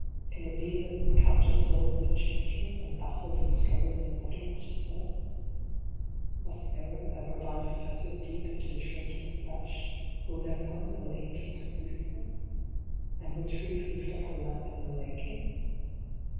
Can it be that this captive soul was a changeling, and battled and struggled in a body not its own ? Must Error ever bind the fetters deep into the shrinking flesh ? Will there come no angel to loose them ? And will Truth lift up her lamp at the waking